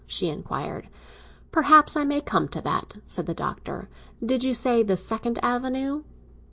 she inquired. "Perhaps I may come to that," said the Doctor. "Did you say the Second Avenue?"